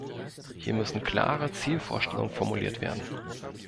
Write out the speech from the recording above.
Hier müssen klare Zielvorstellungen formuliert werden.